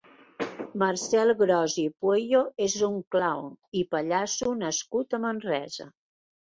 Marcel Gros i Pueyo és un clown i pallasso nascut a Manresa.